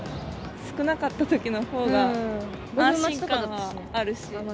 少なかったときのほうが安心感はあるし。